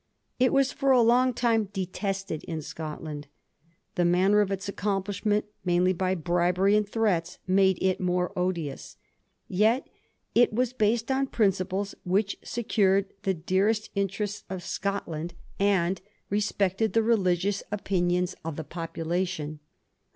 It was for a long time detested in Scotland. The manner of its accomplishment, mainly by bribery and threats, made it more odious. Yet it was based on principles which secured the dearest iuterests of Scotland, and Digiti zed by Google 1714 EDINBURGH OLD TOWN. Ill respected the religious opinions of the population.